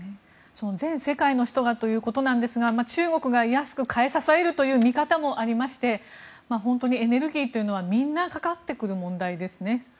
全世界の人がということなんですが中国が安く買い支えるという見方もありまして本当にエネルギーというのはみんなかかってくる問題ですね。